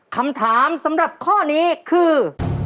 คำถามสำหรับข้อนี้คือ